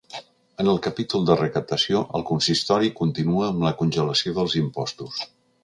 En el capítol de recaptació, el consistori continua amb la congelació dels impostos.